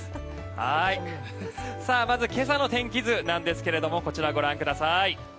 まず今朝の天気図なんですがこちら、ご覧ください。